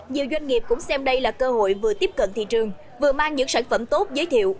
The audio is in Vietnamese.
nhiều doanh nghiệp cũng xem đây là cơ hội vừa tiếp cận thị trường vừa mang những sản phẩm tốt giới thiệu